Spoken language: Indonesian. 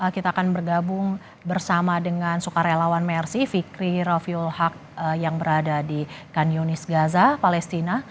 kita akan bergabung bersama dengan sukarelawan mersi fikri rafyuulhak yang berada di kanyunis gaza palestina